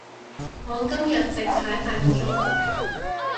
我今日直踩八個鐘